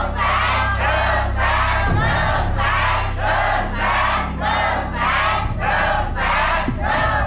ตุ๊กแซมตุ๊ก